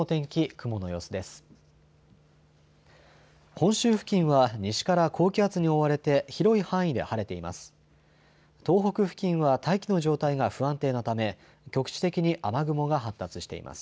本州付近は西から高気圧に覆われて広い範囲で晴れています。